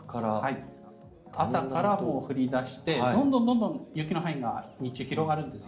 朝から降り出してどんどん雪の範囲が日中、広がるんです。